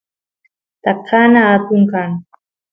takana atun kan